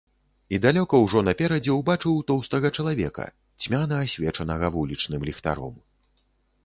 І далёка ўжо наперадзе ўбачыў тоўстага чалавека, цьмяна асвечанага вулічным ліхтаром.